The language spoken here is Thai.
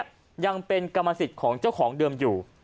ยังเป็นกรรมสิทธิ์ของเจ้าของเดิมอยู่